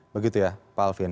begitu ya pak alvin